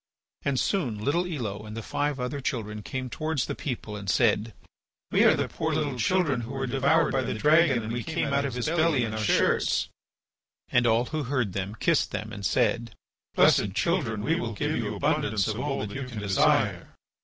And soon little Elo, and the five other children came towards the people and said: "We are the poor little children who were devoured by the dragon and we came out of his belly in our shirts." And all who heard them kissed them and said: "Blessed children, we will give you abundance of all that you can desire."